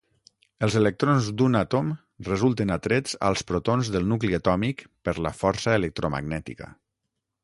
Els electrons d'un àtom resulten atrets als protons del nucli atòmic per la força electromagnètica.